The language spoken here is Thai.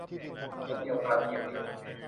หัวเดียวกระเทียมลีบ